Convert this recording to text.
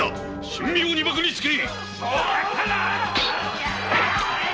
神妙に縛につけ！